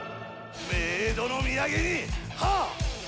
冥土の土産にはっ！